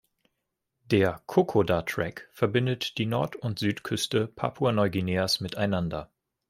Der "Kokoda Track" verbindet die Nord- und die Südküste Papua-Neuguineas miteinander.